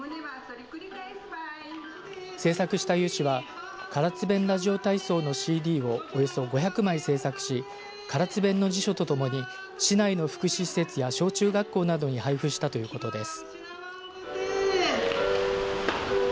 制作した有志が唐津弁ラジオ体操のＣＤをおよそ５００枚制作し唐津弁の辞書とともに市内の福祉施設や小中学校などに配布したということです。